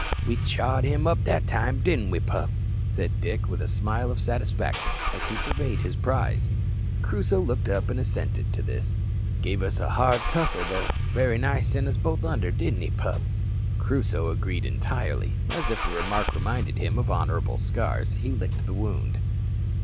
"We chawed him up that time, didn't we, pup?" said Dick, with a smile of satisfaction, as he surveyed his prize. Crusoe looked up and assented to this. "Gave us a hard tussle, though; very nigh sent us both under, didn't he, pup?" Crusoe agreed entirely, and, as if the remark reminded him of honourable scars, he licked his wound.